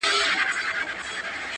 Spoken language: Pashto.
کیسې پاته د امیر سوې د ظلمونو!!